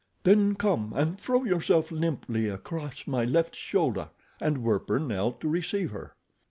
"Then come and throw yourself limply across my left shoulder," and Werper knelt to receive her.